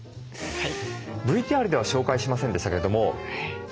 はい。